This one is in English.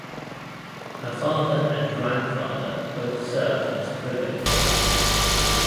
Her father and grandfather both served as probate judges.